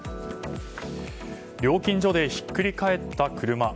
料金所でひっくり返った車。